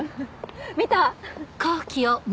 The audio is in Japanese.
見た？